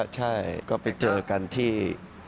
ใช่ก็ไปเจอกันที่